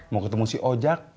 mau ketemu si ojak